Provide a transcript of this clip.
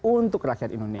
untuk rakyat indonesia